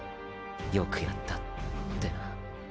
よくやったーーてな。